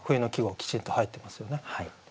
きちんと入ってますね。